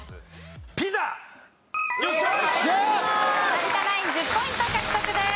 有田ナイン１０ポイント獲得です。